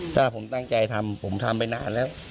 ถ้าผมตั้งใจทำผมทำไปนานแล้ว